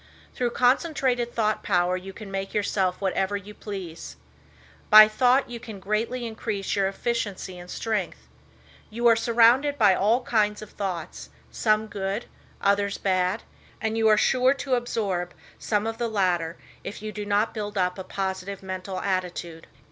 Through concentrated thought power you can make yourself whatever you please. By thought you can greatly increase your efficiency and strength. You are surrounded by all kinds of thoughts, some good, others bad, and you are sure to absorb some of the latter if you do not build up a positive mental attitude.